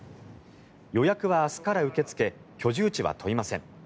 予約は明日から受け付け居住地は問いません。